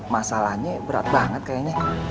masalahnya berat banget kayaknya